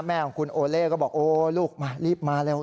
แม่ของคุณโอเล่ก็บอกโอ้ลูกมารีบมาเร็ว